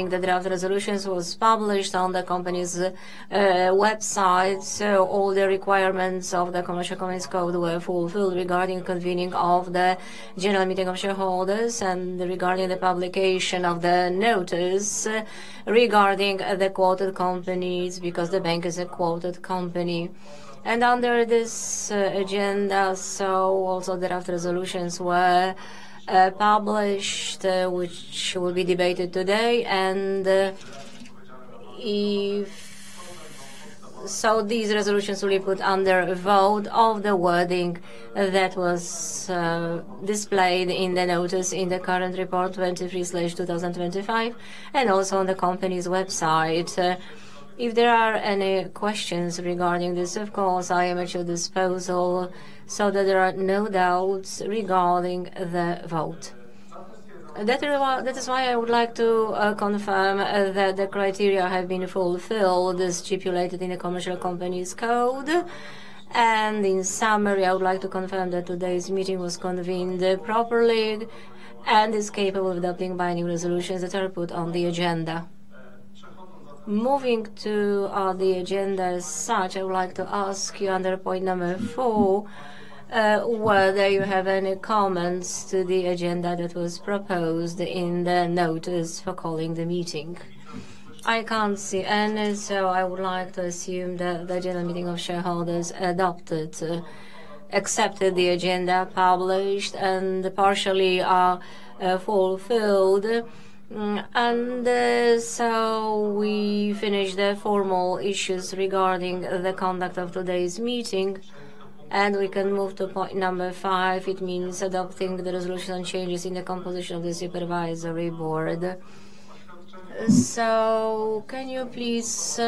The draft resolution was published on the company's website. All the requirements of the Commercial Companies Code were fulfilled regarding the convening of the general meeting of shareholders and regarding the publication of the notice regarding the quoted companies because the bank is a quoted company. Under this agenda, the draft resolutions were published, which will be debated today. These resolutions will be put under a vote of the wording that was displayed in the notice in the current report 23/2025 and also on the company's website. If there are any questions regarding this, of course, I am at your disposal so that there are no doubts regarding the vote. That is why I would like to confirm that the criteria have been fulfilled as stipulated in the Commercial Companies Code. In summary, I would like to confirm that today's meeting was convened properly and is capable of adopting binding resolutions that are put on the agenda. Moving to the agenda as such, I would like to ask you under point number four whether you have any comments to the agenda that was proposed in the notice for calling the meeting. I can't see any, so I would like to assume that the general meeting of shareholders adopted, accepted the agenda published, and partially fulfilled. We finish the formal issues regarding the conduct of today's meeting, and we can move to point number five. It means adopting the resolution on changes in the composition of the Supervisory Board. Can you please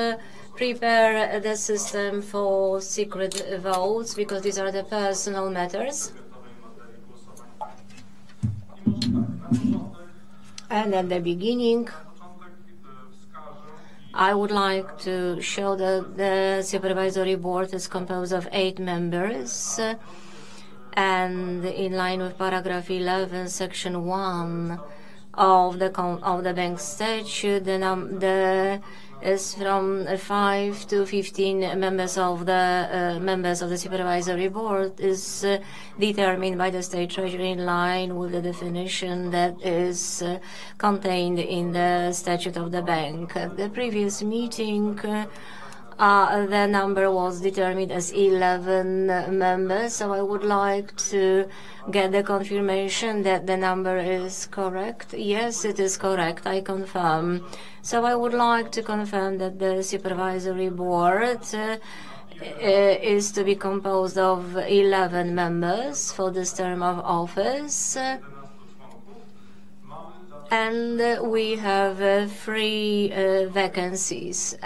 prepare the system for secret votes because these are the personal matters? At the beginning, I would like to show that the Supervisory Board is composed of eight members. In line with paragraph 11, section 1 of the bank's statute, the number is from five to 15 members of the Supervisory Board as determined by the State Treasury in line with the definition that is contained in the statute of the bank. At the previous meeting, the number was determined as 11 members. I would like to get the confirmation that the number is correct. Yes, it is correct. I confirm. I would like to confirm that the Supervisory Board is to be composed of 11 members for this term of office. We have three vacancies.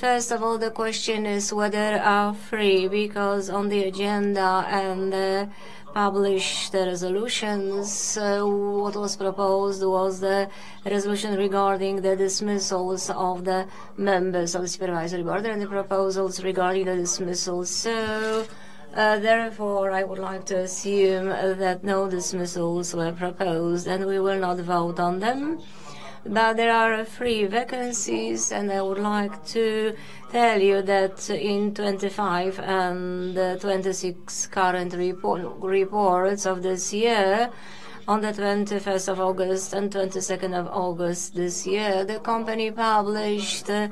First of all, the question is whether three because on the agenda and published resolutions, what was proposed was the resolution regarding the dismissals of the members of the Supervisory Board and the proposals regarding the dismissals. Therefore, I would like to assume that no dismissals were proposed and we will not vote on them. There are three vacancies, and I would like to tell you that in 2025 and 2026 current reports of this year, on 21st of August and 22nd of August this year, the company published the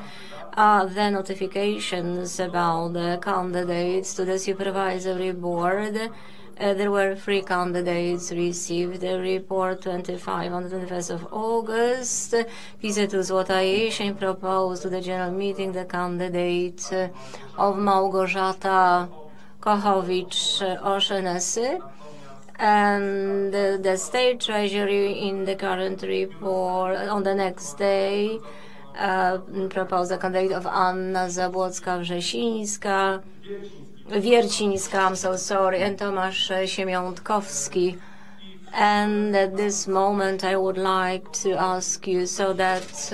notifications about the candidates to the Supervisory Board. There were three candidates received. The report 2025 on August 21st, he said it was what I issued and proposed to the general meeting, the candidates of Małgorzata Prochwicz-O’Shaughnessy, and the State Treasury in the current report on the next day proposed the candidate of Anna Zabłocka-Wiercińska, I'm so sorry, and Tomasz Siemiątkowski. At this moment, I would like to ask you so that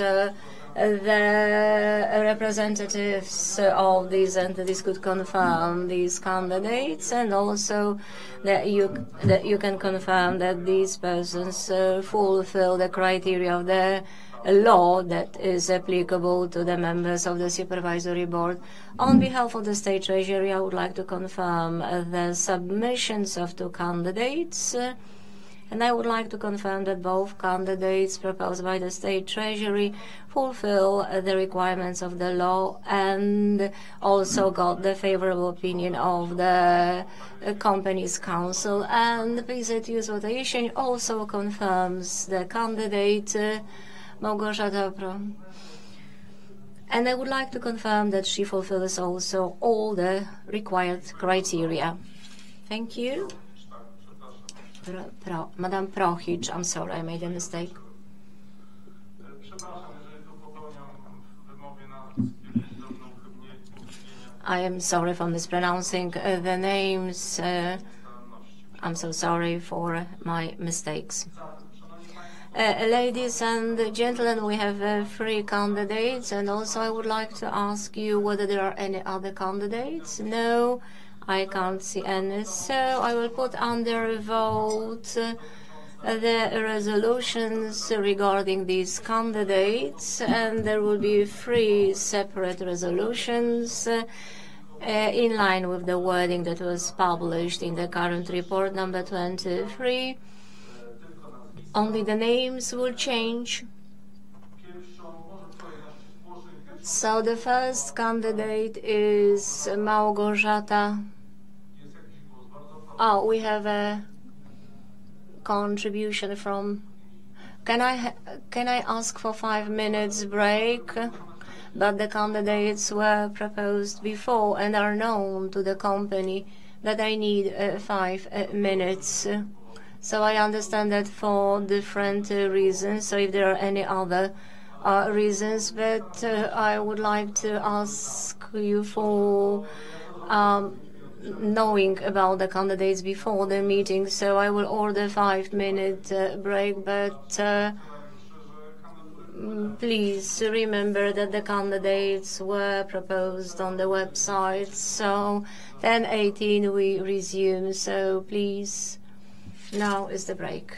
the representatives of these entities could confirm these candidates and also that you can confirm that these persons fulfill the criteria of the law that is applicable to the members of the Supervisory Board. On behalf of the State Treasury, I would like to confirm the submissions of two candidates. I would like to confirm that both candidates proposed by the State Treasury fulfill the requirements of the law and also got the favorable opinion of the company's counsel. Please use what I issued also confirms the candidate, Małgorzata Prochwicz-O’Shaughnessy. I would like to confirm that she fulfills also all the required criteria. Thank you. Madam Prochwicz, I'm sorry. I made a mistake. I am sorry for mispronouncing the names. I'm so sorry for my mistakes. Ladies and gentlemen, we have three candidates. I would like to ask you whether there are any other candidates. No, I can't see any. I will put under vote the resolutions regarding these candidates. There will be three separate resolutions in line with the wording that was published in the current report number 23. Only the names will change. The first candidate is Małgorzata. Oh, we have a contribution from. Can I ask for five minutes' break? The candidates were proposed before and are known to the company, but I need five minutes. I understand that for different reasons. If there are any other reasons, I would like to ask you for knowing about the candidates before the meeting. I will order a five-minute break, but please remember that the candidates were proposed on the website. At 10:18 A.M., we resume. Please, now is the break.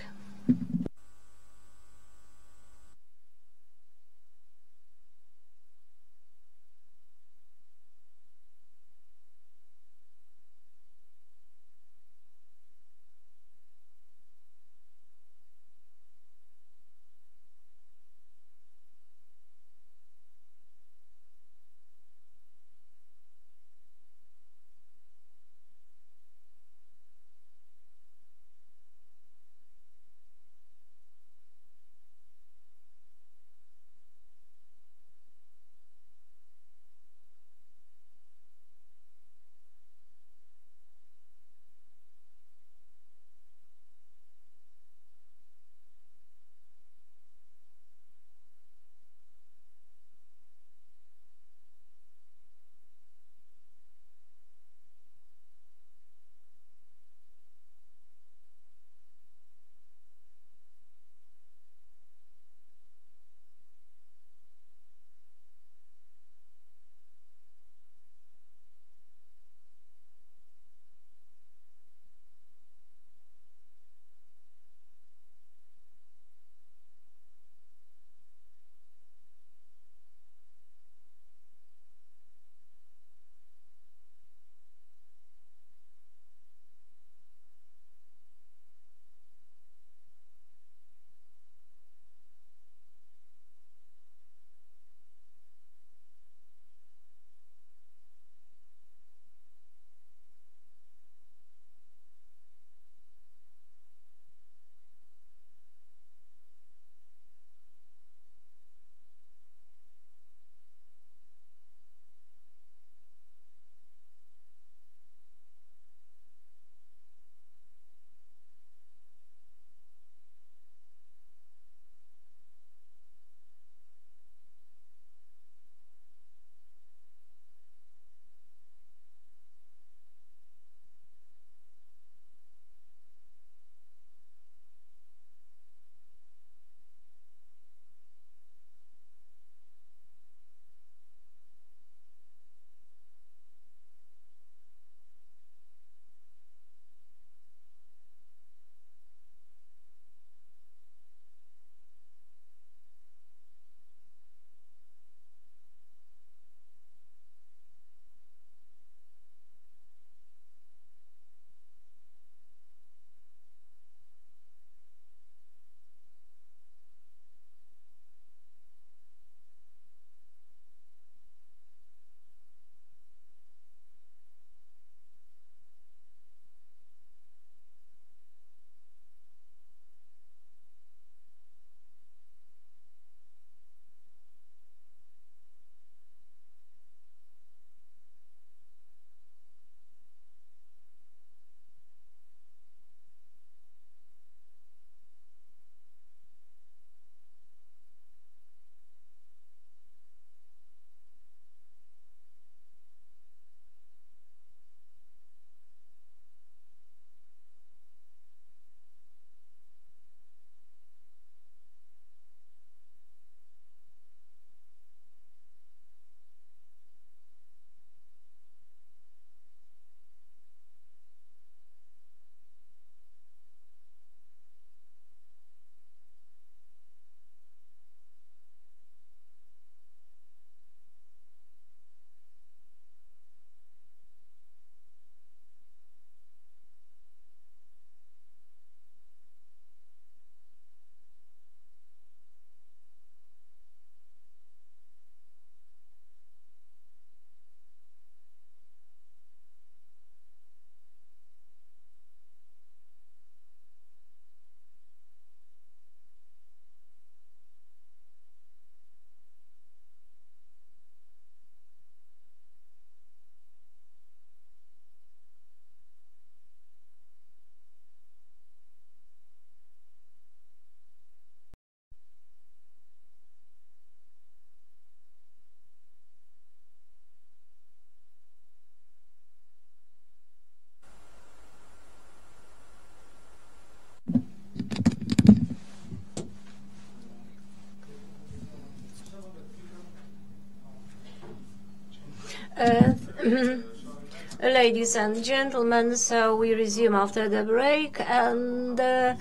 Ladies and gentlemen, we resume after the break. As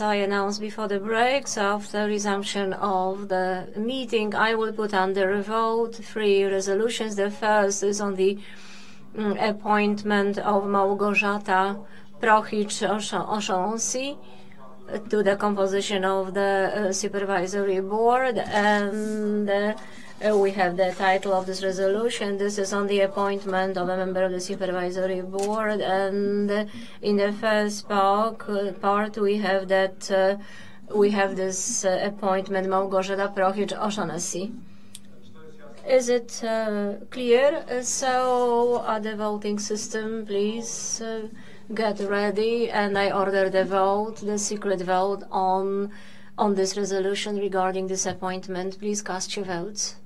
I announced before the break, after the resumption of the meeting, I will put under a vote three resolutions. The first is on the appointment of Małgorzata Prochwicz-O’Shaughnessy to the composition of the Supervisory Board. We have the title of this resolution. This is on the appointment of a member of the Supervisory Board. In the first part, we have this appointment, Małgorzata Prochwicz-O’Shaughnessy. Is it clear? The voting system, please get ready. I order the secret vote on this resolution regarding this appointment. Please cast your votes.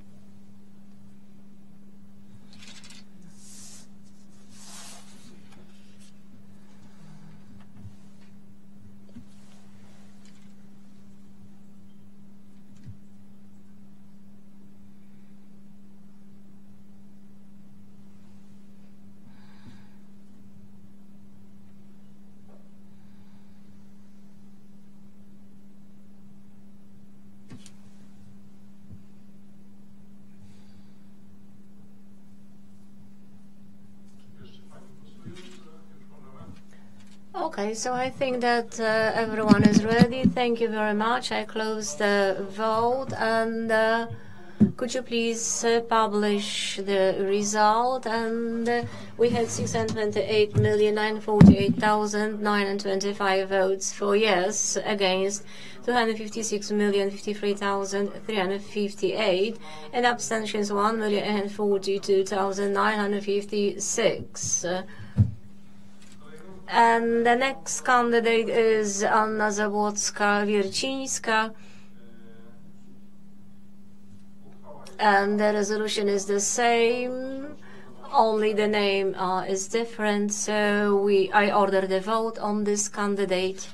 I think that everyone is ready. Thank you very much. I close the vote. Could you please publish the result? We had 628,948,925 votes for yes, against 256,053,358, and abstentions 1,842,956. The next candidate is Anna Zabłocka-Wiercińska. The resolution is the same, only the name is different. I order the vote on this candidate.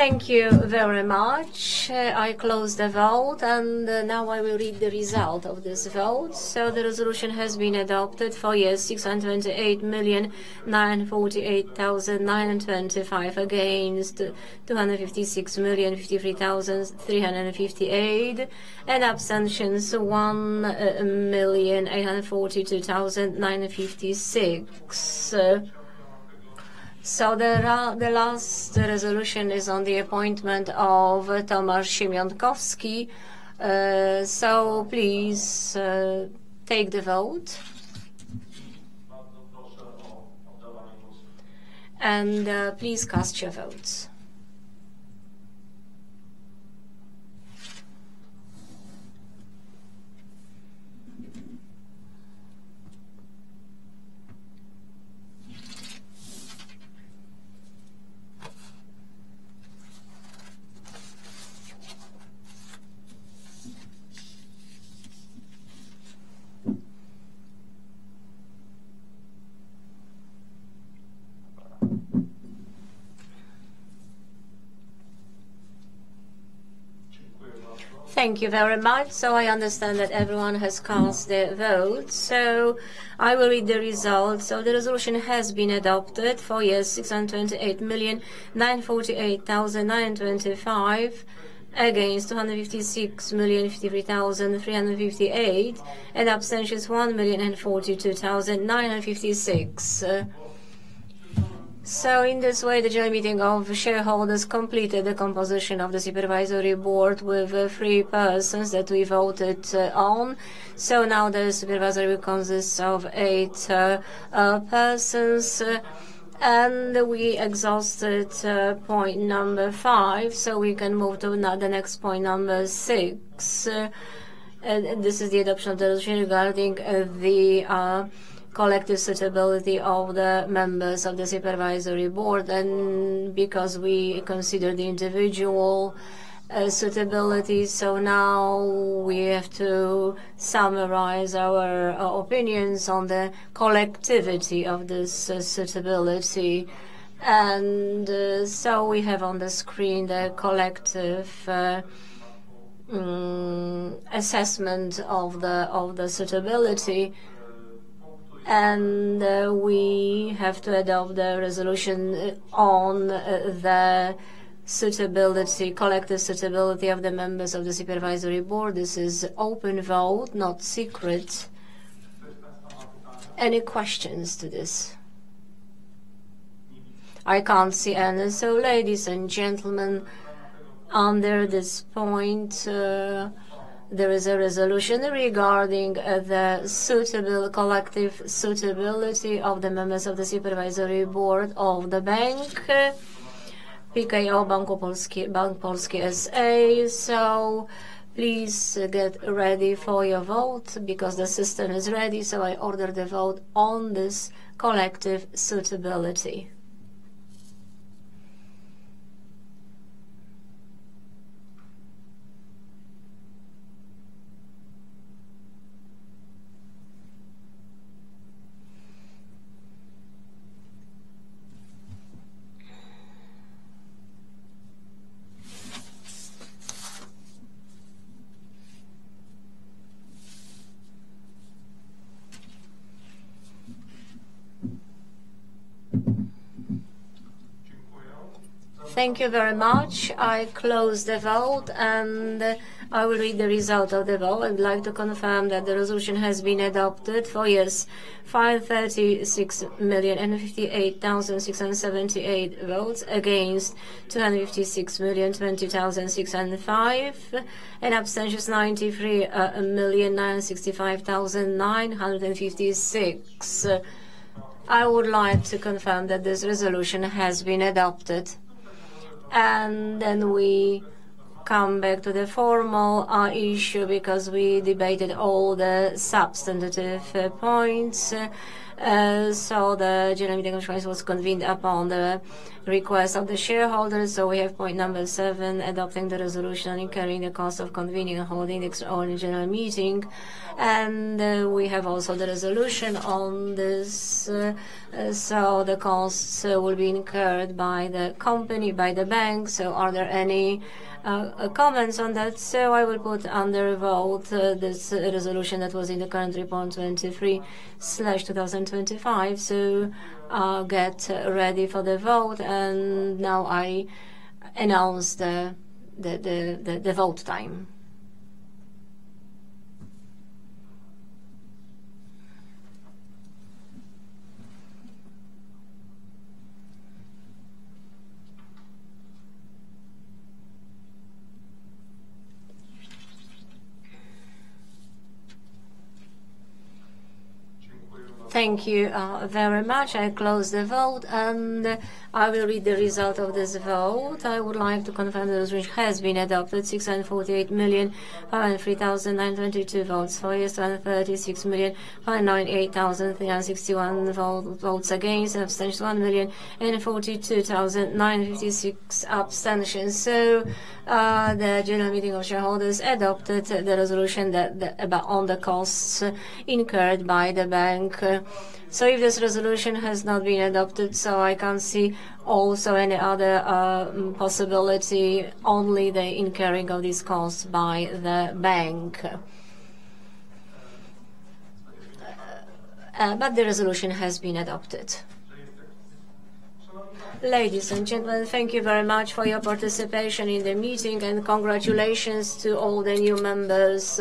Thank you very much. I close the vote. Now I will read the result of this vote. The resolution has been adopted: for yes, 628,948,925, against 256,053,358, and abstentions 1,842,956. The last resolution is on the appointment of Tomasz Siemiątkowski. Please take the vote and please cast your votes. Thank you very much. I understand that everyone has cast their vote. I will read the result. The resolution has been adopted: for yes, 628,948,925, against 256,053,358, and abstentions 1,042,956. In this way, the general meeting of shareholders completed the composition of the Supervisory Board with three persons that we voted on. Now the Supervisory Board consists of eight persons. We exhausted point number five. We can move to the next point, number six. This is the adoption of the resolution regarding the collective suitability of the members of the Supervisory Board. Because we consider the individual suitability, now we have to summarize our opinions on the collectivity of this suitability. We have on the screen the collective assessment of the suitability. We have to adopt the resolution on the collective suitability of the members of the Supervisory Board. This is open vote, not secret. Any questions to this? I can't see any. Ladies and gentlemen, under this point, there is a resolution regarding the collective suitability of the members of the Supervisory Board of the bank, PKO Bank Polski S.A. Please get ready for your vote because the system is ready. I order the vote on this collective suitability. Thank you very much. I close the vote, and I will read the result of the vote. I would like to confirm that the resolution has been adopted: for yes, 536,058,678 votes; against, 256,020,605; and abstentions, 93,965,956. I would like to confirm that this resolution has been adopted. We come back to the formal issue because we debated all the substantive points. The general meeting was convened upon the request of the shareholders. We have point number seven, adopting the resolution on incurring the cost of convening and holding the extraordinary general meeting. We also have the resolution on this. The costs will be incurred by the company, by the bank. Are there any comments on that? I will put under vote this resolution that was in the current report 23/2025. I'll get ready for the vote. Now I announce the vote time. Thank you very much. I close the vote, and I will read the result of this vote. I would like to confirm that the resolution has been adopted: 648,003,922 votes for yes, 36,098,361 votes against, and 1,042,956 abstentions. The general meeting of shareholders adopted the resolution on the costs incurred by the bank. If this resolution had not been adopted, I can't see any other possibility, only the incurring of these costs by the bank. The resolution has been adopted. Ladies and gentlemen, thank you very much for your participation in the meeting, and congratulations to all the new members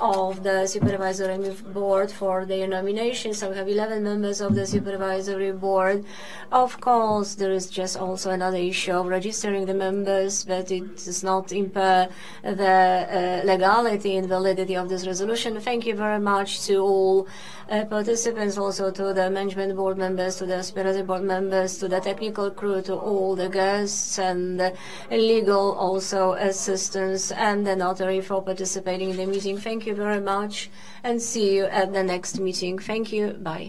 of the Supervisory Board for their nomination. We have 11 members of the Supervisory Board. Of course, there is also another issue of registering the members, but it does not impair the legality and validity of this resolution. Thank you very much to all participants, also to the Management Board members, to the Supervisory Board members, to the technical crew, to all the guests, legal assistance, and the notary for participating in the meeting. Thank you very much, and see you at the next meeting. Thank you. Bye.